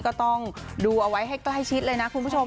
ก็ต้องดูเอาไว้ให้ใกล้ชิดเลยนะคุณผู้ชม